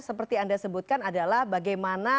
seperti anda sebutkan adalah bagaimana